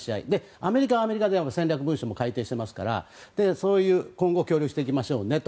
アメリカはアメリカで戦略文書も改訂していますから今後協力していきましょうねと。